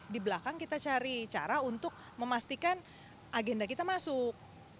di belakang kita cari cara untuk memastikan agenda kita masuk